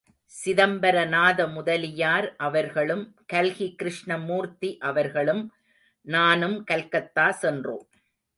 சிதம்பரநாத முதலியார் அவர்களும் கல்கி கிருஷ்ணமூர்த்தி அவர்களும் நானும் கல்கத்தா சென்றோம்.